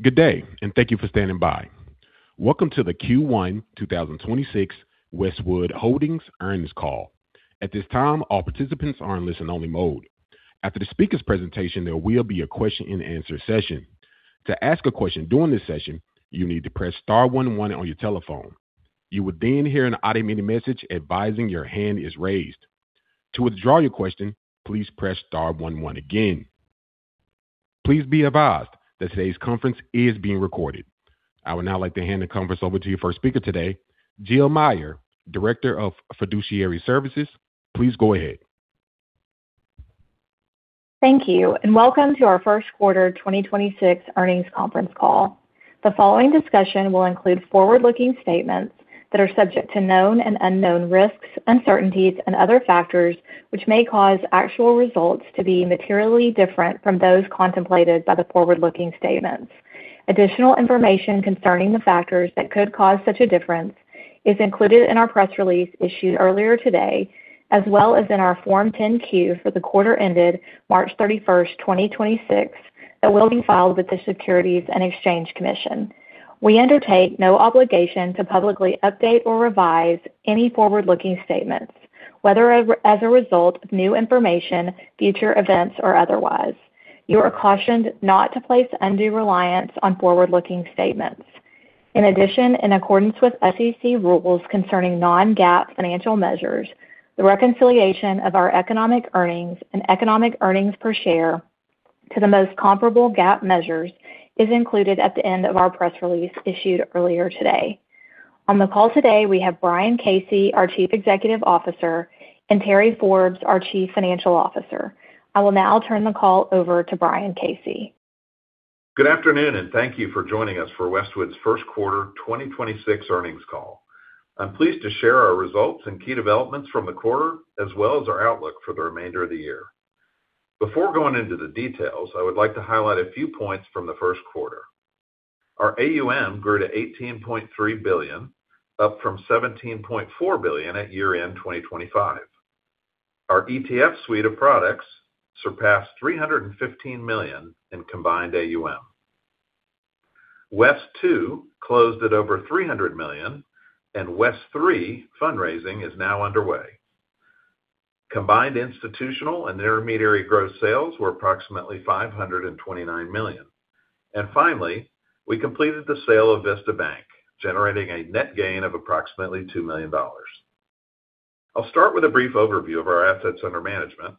Welcome to the Q1 2026 Westwood Holdings Earnings Call. At this time, all participants are in listen-only mode. After the speakers' presentation, there will be a question-and-answer session. To ask a question during the session, you need to press star one one on your telephone. You will then hear an audio message advising your hand is raised. To withdraw your question, please press star one one again. Please be advised that this conference is being recorded. I would now like to hand the conference over to your first speaker today, Jill Meyer, Director of Fiduciary Services. Please go ahead. Thank you, and welcome to our 1st quarter 2026 earnings conference call. The following discussion will include forward-looking statements that are subject to known and unknown risks, uncertainties and other factors which may cause actual results to be materially different from those contemplated by the forward-looking statements. Additional information concerning the factors that could cause such a difference is included in our press release issued earlier today, as well as in our Form 10-Q for the quarter ended March 31st, 2026, that will be filed with the Securities and Exchange Commission. We undertake no obligation to publicly update or revise any forward-looking statements, whether as a result of new information, future events or otherwise. You are cautioned not to place undue reliance on forward-looking statements. In addition, in accordance with SEC rules concerning non-GAAP financial measures, the reconciliation of our economic earnings and economic earnings per share to the most comparable GAAP measures is included at the end of our press release issued earlier today. On the call today, we have Brian Casey, our Chief Executive Officer, and Terry Forbes, our Chief Financial Officer. I will now turn the call over to Brian Casey. Good afternoon. Thank you for joining us for Westwood's first quarter 2026 earnings call. I'm pleased to share our results and key developments from the quarter as well as our outlook for the remainder of the year. Before going into the details, I would like to highlight a few points from the first quarter. Our AUM grew to $18.3 billion, up from $17.4 billion at year-end 2025. Our ETF suite of products surpassed $315 million in combined AUM. West Two closed at over $300 million, and West Three fundraising is now underway. Combined institutional and intermediary gross sales were approximately $529 million. Finally, we completed the sale of Vista Bank, generating a net gain of approximately $2 million. I'll start with a brief overview of our assets under management.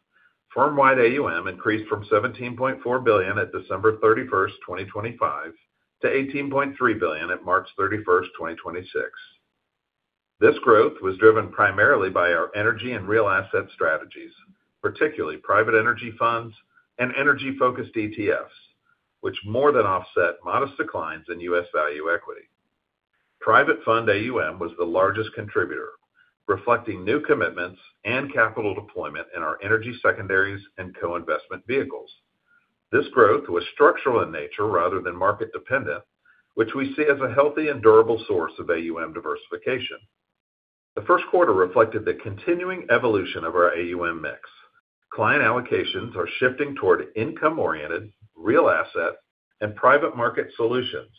Firm-wide AUM increased from $17.4 billion at December 31st, 2025 to $18.3 billion at March 31st, 2026. This growth was driven primarily by our energy and real asset strategies, particularly private energy funds and energy-focused ETFs, which more than offset modest declines in U.S. value equity. Private fund AUM was the largest contributor, reflecting new commitments and capital deployment in our energy secondaries and co-investment vehicles. This growth was structural in nature rather than market dependent, which we see as a healthy and durable source of AUM diversification. The first quarter reflected the continuing evolution of our AUM mix. Client allocations are shifting toward income-oriented, real asset, and private market solutions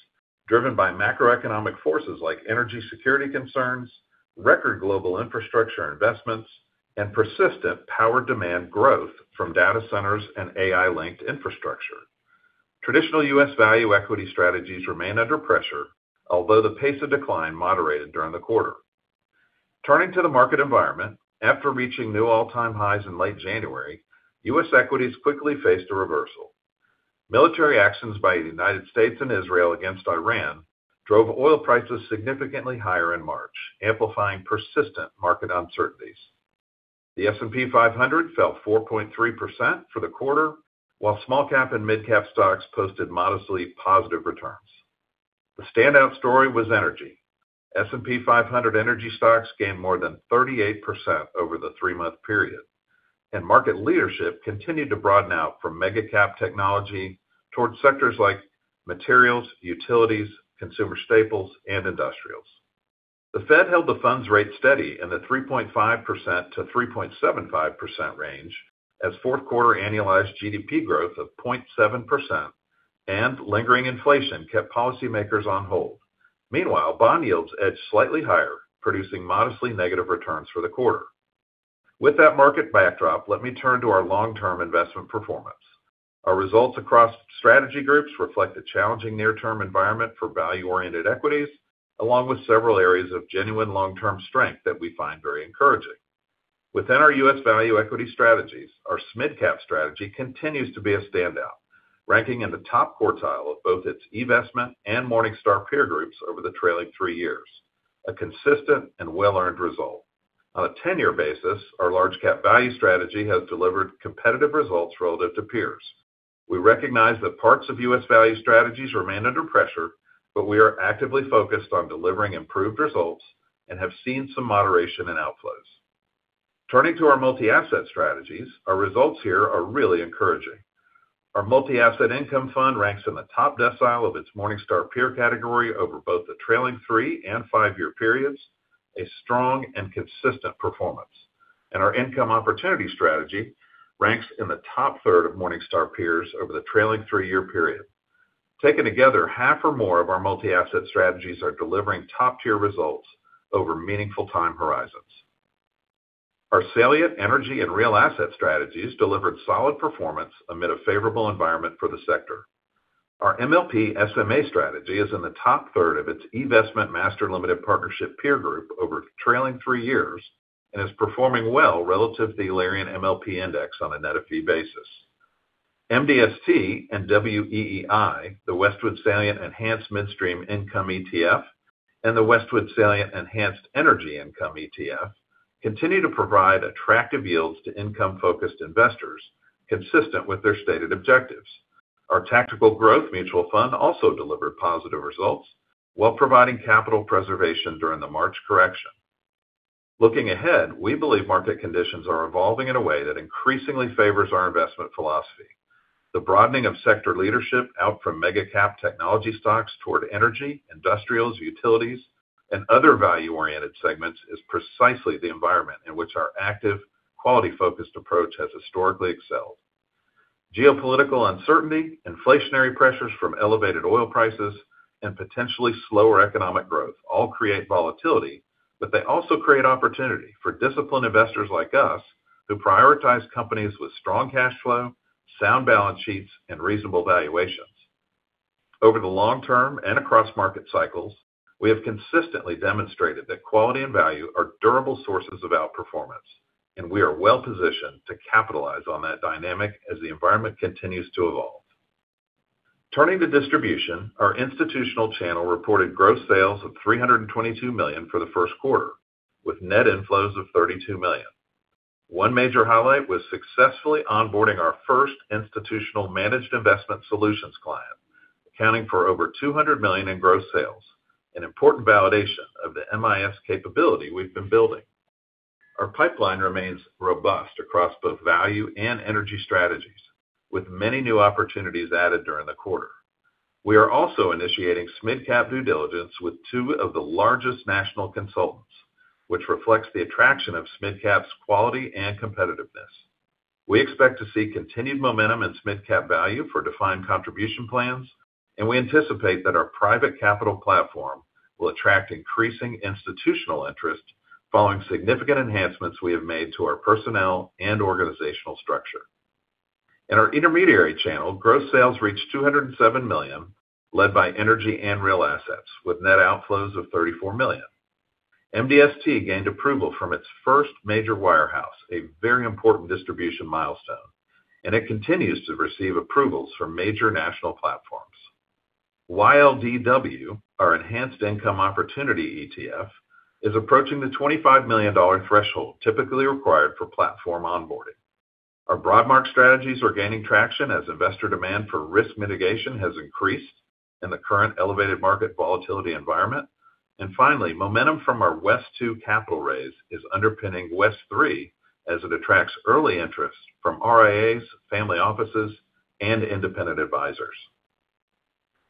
driven by macroeconomic forces like energy security concerns, record global infrastructure investments, and persistent power demand growth from data centers and AI-linked infrastructure. Traditional U.S. value equity strategies remain under pressure, although the pace of decline moderated during the quarter. Turning to the market environment, after reaching new all-time highs in late January, U.S. equities quickly faced a reversal. Military actions by the United States and Israel against Iran drove oil prices significantly higher in March, amplifying persistent market uncertainties. The S&P 500 fell 4.3% for the quarter, while small cap and mid cap stocks posted modestly positive returns. The standout story was energy. S&P 500 energy stocks gained more than 38% over the three-month period, and market leadership continued to broaden out from mega cap technology towards sectors like materials, utilities, consumer staples and industrials. The Fed held the funds rate steady in the 3.5%-3.75% range as fourth quarter annualized GDP growth of 0.7% and lingering inflation kept policymakers on hold. Meanwhile, bond yields edged slightly higher, producing modestly negative returns for the quarter. With that market backdrop, let me turn to our long-term investment performance. Our results across strategy groups reflect a challenging near-term environment for value-oriented equities, along with several areas of genuine long-term strength that we find very encouraging. Within our U.S. value equity strategies, our SMidCap Value strategy continues to be a standout, ranking in the top quartile of both its investment and Morningstar peer groups over the trailing three years, a consistent and well-earned result. On a 10-year basis, our Large Cap Value Strategy has delivered competitive results relative to peers. We recognize that parts of U.S. value strategies remain under pressure, but we are actively focused on delivering improved results and have seen some moderation in outflows. Turning to our multi-asset strategies, our results here are really encouraging. Our Multi-Asset Income Fund ranks in the top decile of its Morningstar peer category over both the trailing three- and five-year periods, a strong and consistent performance. Our Income Opportunity strategy ranks in the top third of Morningstar peers over the trailing three-year period. Taken together, half or more of our multi-asset strategies are delivering top-tier results over meaningful time horizons. Our Salient energy and real asset strategies delivered solid performance amid a favorable environment for the sector. Our MLP SMA strategy is in the top third of its investment master limited partnership peer group over trailing three years and is performing well relative to the Alerian MLP Index on a net-of-fee basis. MDST and WEEI, the Westwood Salient Enhanced Midstream Income ETF and the Westwood Salient Enhanced Energy Income ETF, continue to provide attractive yields to income-focused investors consistent with their stated objectives. Our tactical growth mutual fund also delivered positive results while providing capital preservation during the March correction. Looking ahead, we believe market conditions are evolving in a way that increasingly favors our investment philosophy. The broadening of sector leadership out from mega cap technology stocks toward energy, industrials, utilities, and other value-oriented segments is precisely the environment in which our active, quality-focused approach has historically excelled. Geopolitical uncertainty, inflationary pressures from elevated oil prices, and potentially slower economic growth all create volatility, but they also create opportunity for disciplined investors like us who prioritize companies with strong cash flow, sound balance sheets, and reasonable valuations. Over the long-term and across market cycles, we have consistently demonstrated that quality and value are durable sources of outperformance, and we are well-positioned to capitalize on that dynamic as the environment continues to evolve. Turning to distribution, our institutional channel reported gross sales of $322 million for the first quarter, with net inflows of $32 million. One major highlight was successfully onboarding our first institutional Managed Investment Solutions client, accounting for over $200 million in gross sales, an important validation of the MIS capability we've been building. Our pipeline remains robust across both value and energy strategies, with many new opportunities added during the quarter. We are also initiating SMidCap due diligence with two of the largest national consultants, which reflects the attraction of SMidCap's quality and competitiveness. We expect to see continued momentum in SMidCap Value for defined contribution plans. We anticipate that our private capital platform will attract increasing institutional interest following significant enhancements we have made to our personnel and organizational structure. In our intermediary channel, gross sales reached $207 million, led by energy and real assets, with net outflows of $34 million. MDST gained approval from its first major wirehouse, a very important distribution milestone. It continues to receive approvals from major national platforms. YLDW, our Enhanced Income Opportunity ETF, is approaching the $25 million threshold typically required for platform onboarding. Our broad market strategies are gaining traction as investor demand for risk mitigation has increased in the current elevated market volatility environment. Finally, momentum from our WES II capital raise is underpinning WES III as it attracts early interest from RIAs, family offices, and independent advisors.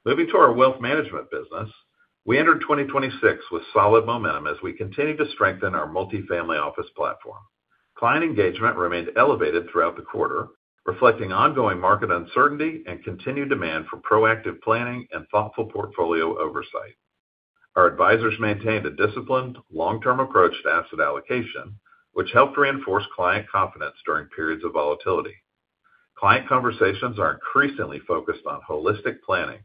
Moving to our wealth management business, we entered 2026 with solid momentum as we continue to strengthen our multifamily office platform. Client engagement remained elevated throughout the quarter, reflecting ongoing market uncertainty and continued demand for proactive planning and thoughtful portfolio oversight. Our advisors maintained a disciplined long-term approach to asset allocation, which helped reinforce client confidence during periods of volatility. Client conversations are increasingly focused on holistic planning,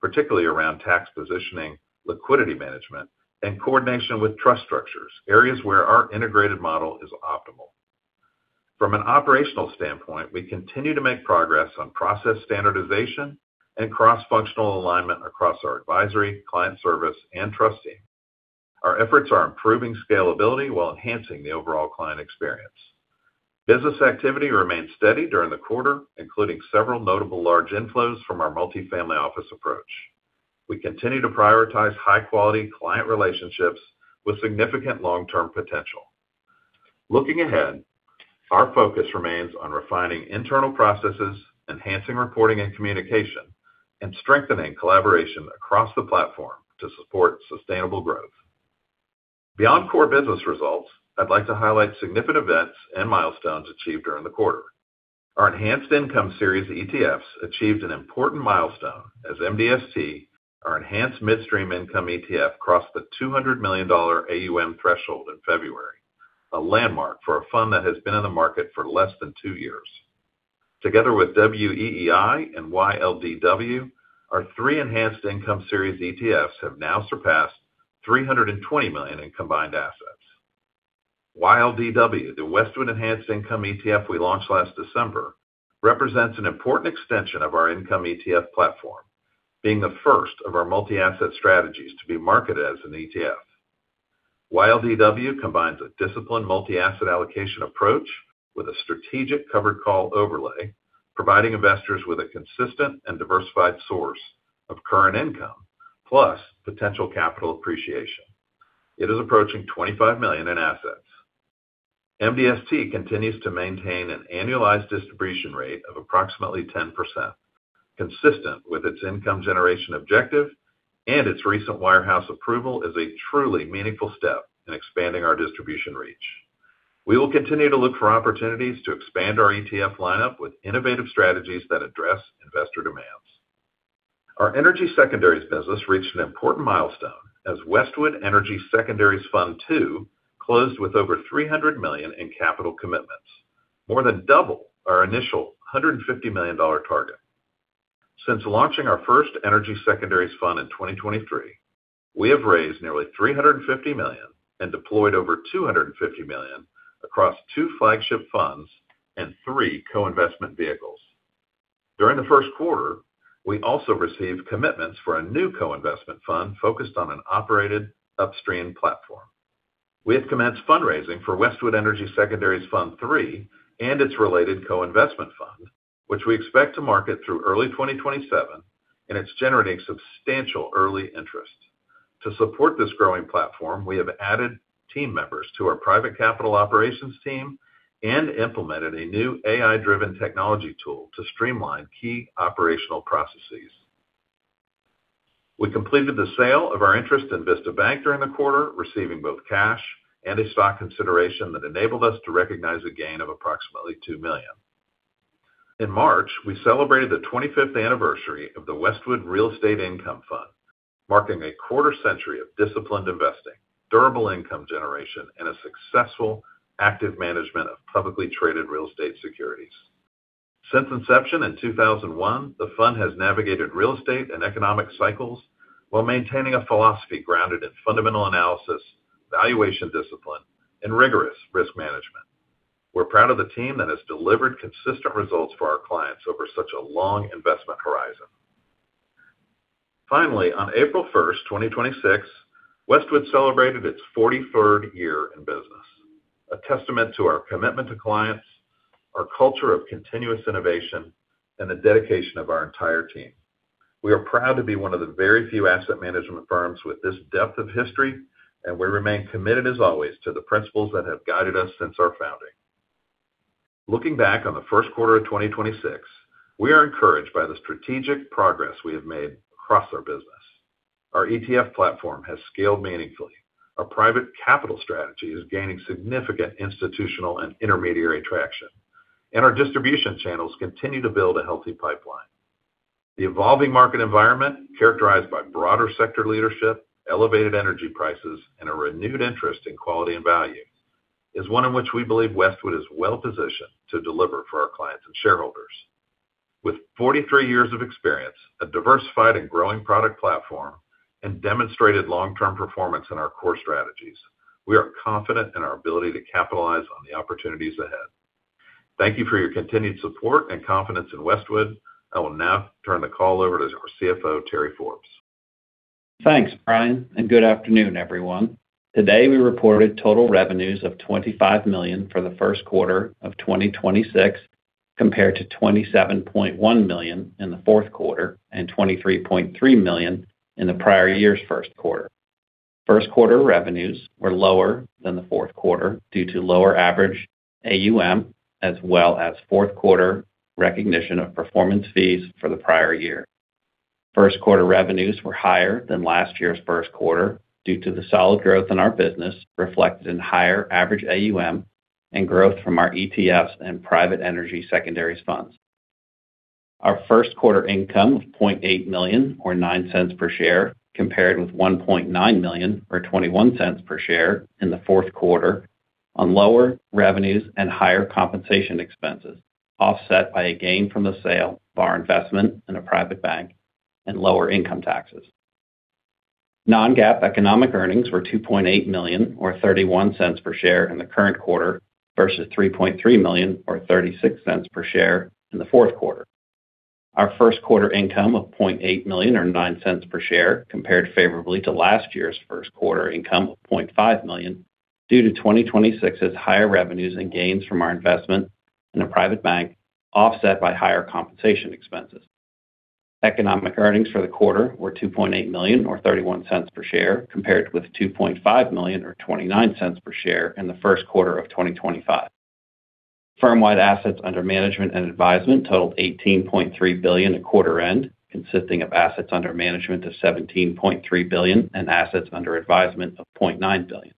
particularly around tax positioning, liquidity management, and coordination with trust structures, areas where our integrated model is optimal. From an operational standpoint, we continue to make progress on process standardization and cross-functional alignment across our advisory, client service, and trustee. Our efforts are improving scalability while enhancing the overall client experience. Business activity remained steady during the quarter, including several notable large inflows from our multifamily office approach. We continue to prioritize high-quality client relationships with significant long-term potential. Looking ahead, our focus remains on refining internal processes, enhancing reporting and communication, and strengthening collaboration across the platform to support sustainable growth. Beyond core business results, I'd like to highlight significant events and milestones achieved during the quarter. Our Enhanced Income Series ETFs achieved an important milestone as MDST, our Enhanced Midstream Income ETF, crossed the $200 million AUM threshold in February, a landmark for a fund that has been in the market for less than two years. Together with WEEI and YLDW, our three Enhanced Income Series ETFs have now surpassed $320 million in combined assets. YLDW, the Westwood Enhanced Income ETF we launched last December, represents an important extension of our income ETF platform, being the first of our multi-asset strategies to be marketed as an ETF. YLDW combines a disciplined multi-asset allocation approach with a strategic covered call overlay, providing investors with a consistent and diversified source of current income plus potential capital appreciation. It is approaching $25 million in assets. MDST continues to maintain an annualized distribution rate of approximately 10%. Consistent with its income generation objective and its recent wirehouse approval is a truly meaningful step in expanding our distribution reach. We will continue to look for opportunities to expand our ETF lineup with innovative strategies that address investor demands. Our energy secondaries business reached an important milestone as Westwood Energy Secondaries Fund II closed with over $300 million in capital commitments, more than double our initial $150 million target. Since launching our first energy secondaries fund in 2023, we have raised nearly $350 million and deployed over $250 million across two flagship funds and three co-investment vehicles. During the first quarter, we also received commitments for a new co-investment fund focused on an operated upstream platform. We have commenced fundraising for Westwood Energy Secondaries Fund III and its related co-investment fund, which we expect to market through early 2027, and it's generating substantial early interest. To support this growing platform, we have added team members to our private capital operations team and implemented a new AI-driven technology tool to streamline key operational processes. We completed the sale of our interest in Vista Bank during the quarter, receiving both cash and a stock consideration that enabled us to recognize a gain of approximately $2 million. In March, we celebrated the 25th anniversary of the Westwood Real Estate Income Fund, marking a quarter-century of disciplined investing, durable income generation, and a successful active management of publicly traded real estate securities. Since inception in 2001, the fund has navigated real estate and economic cycles while maintaining a philosophy grounded in fundamental analysis, valuation discipline, and rigorous risk management. We're proud of the team that has delivered consistent results for our clients over such a long investment horizon. On April 1st, 2026, Westwood celebrated its 43rd year in business, a testament to our commitment to clients, our culture of continuous innovation, and the dedication of our entire team. We are proud to be one of the very few asset management firms with this depth of history, and we remain committed as always to the principles that have guided us since our founding. Looking back on the first quarter of 2026, we are encouraged by the strategic progress we have made across our business. Our ETF platform has scaled meaningfully. Our private capital strategy is gaining significant institutional and intermediary traction, and our distribution channels continue to build a healthy pipeline. The evolving market environment, characterized by broader sector leadership, elevated energy prices, and a renewed interest in quality and value, is one in which we believe Westwood is well-positioned to deliver for our clients and shareholders. With 43 years of experience, a diversified and growing product platform, and demonstrated long-term performance in our core strategies, we are confident in our ability to capitalize on the opportunities ahead. Thank you for your continued support and confidence in Westwood. I will now turn the call over to our CFO, Terry Forbes. Thanks, Brian, and good afternoon, everyone. Today, we reported total revenues of $25 million for the first quarter of 2026 compared to $27.1 million in the fourth quarter and $23.3 million in the prior year's first quarter. First quarter revenues were lower than the fourth quarter due to lower average AUM as well as fourth quarter recognition of performance fees for the prior year. First quarter revenues were higher than last year's first quarter due to the solid growth in our business reflected in higher average AUM and growth from our ETFs and private energy secondaries funds. Our first quarter income of $0.8 million or $0.09 per share compared with $1.9 million or $0.21 per share in the fourth quarter on lower revenues and higher compensation expenses, offset by a gain from the sale of our investment in a private bank and lower income taxes. Non-GAAP economic earnings were $2.8 million or $0.31 per share in the current quarter versus $3.3 million or $0.36 per share in the fourth quarter. Our first quarter income of $0.8 million or $0.09 per share compared favorably to last year's first quarter income of $0.5 million due to 2026's higher revenues and gains from our investment in a private bank offset by higher compensation expenses. Economic earnings for the quarter were $2.8 million or $0.31 per share compared with $2.5 million or $0.29 per share in the first quarter of 2025. Firm-wide assets under management and advisement totaled $18.3 billion at quarter end, consisting of assets under management of $17.3 billion and assets under advisement of $0.9 billion.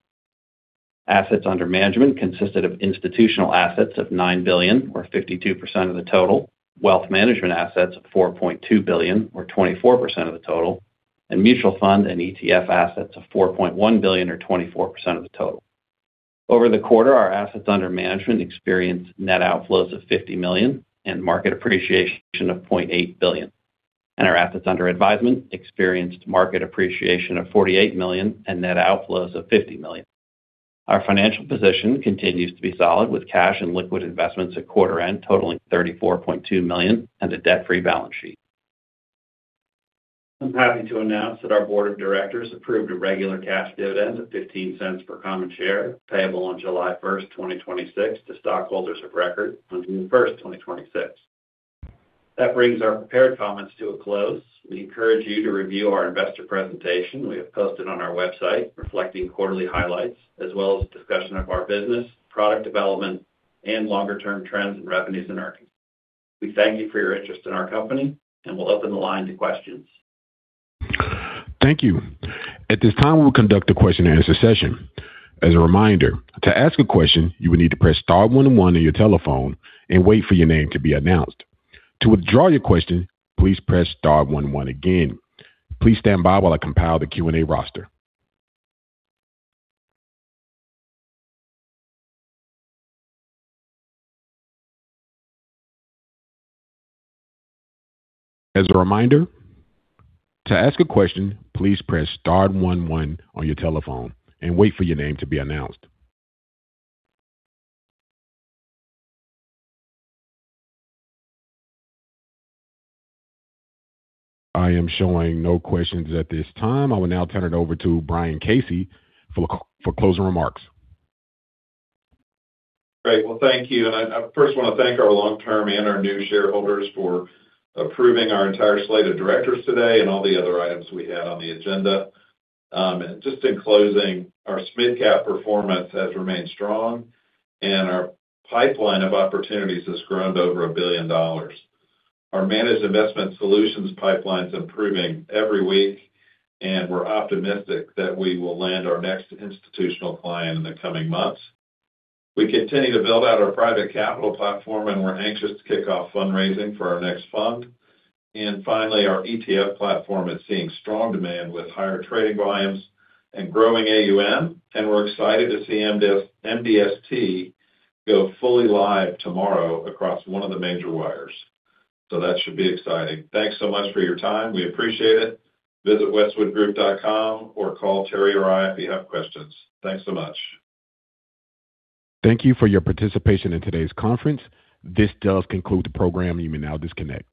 Assets under management consisted of institutional assets of $9 billion or 52% of the total, wealth management assets of $4.2 billion or 24% of the total, and mutual fund and ETF assets of $4.1 billion or 24% of the total. Over the quarter, our assets under management experienced net outflows of $50 million and market appreciation of $0.8 billion. Our assets under advisement experienced market appreciation of $48 million and net outflows of $50 million. Our financial position continues to be solid with cash and liquid investments at quarter end totaling $34.2 million and a debt-free balance sheet. I'm happy to announce that our board of directors approved a regular cash dividend of $0.15 per common share payable on July 1st, 2026 to stockholders of record on June 1, 2026. That brings our prepared comments to a close. We encourage you to review our investor presentation we have posted on our website reflecting quarterly highlights as well as discussion of our business, product development Longer-term trends and revenues. We thank you for your interest in our company, and we'll open the line to questions. Thank you. At this time, we'll conduct a question-and-answer session. As a reminder, to ask a question, you will need to press star one one on your telephone and wait for your name to be announced. To withdraw your question, please press star one one again. Please stand by while I compile the Q&A roster. As a reminder, to ask a question, please press star one one on your telephone and wait for your name to be announced. I am showing no questions at this time. I will now turn it over to Brian Casey for closing remarks. Great. Well, thank you. I first want to thank our long-term and our new shareholders for approving our entire slate of directors today and all the other items we had on the agenda. Just in closing, our mid-cap performance has remained strong and our pipeline of opportunities has grown to over $1 billion. Our Managed Investment Solutions pipeline's improving every week, we're optimistic that we will land our next institutional client in the coming months. We continue to build out our private capital platform, we're anxious to kick off fundraising for our next fund. Finally, our ETF platform is seeing strong demand with higher trading volumes and growing AUM, we're excited to see MDST go fully live tomorrow across 1 of the major wires. That should be exciting. Thanks so much for your time. We appreciate it. Visit westwoodgroup.com or call Terry or I if you have questions. Thanks so much. Thank you for your participation in today's conference. This does conclude the program. You may now disconnect.